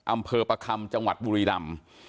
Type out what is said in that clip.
อำเภอประคำจังหวัดบุรีรำ